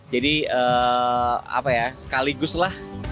jadi apa ya sekaligus lah